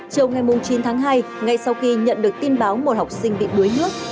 châu ngày chín tháng hai ngay sau khi nhận được tin báo một học sinh bị đuối hước